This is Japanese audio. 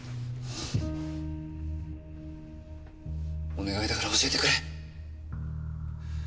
お願いだから教えてくれ！